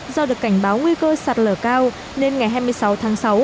do được cảnh báo nguy cơ sạt lở cao nên ngày hai mươi sáu tháng sáu